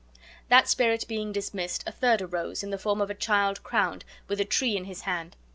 That spirit being dismissed, a third arose in the form of a child crowned, with a tree in his hand.